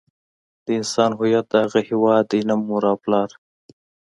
د انسان هویت د هغه هيواد دی نه مور او پلار.